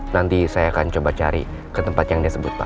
nanti saya akan coba cari ke tempat yang dia sebut pak